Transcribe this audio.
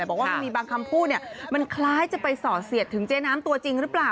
บอกว่ามันมีบางคำพูดมันคล้ายจะไปส่อเสียดถึงเจ๊น้ำตัวจริงหรือเปล่า